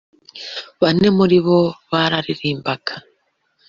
bane muri bo baririmbaga